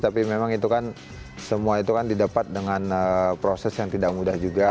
tapi memang itu kan semua itu kan didapat dengan proses yang tidak mudah juga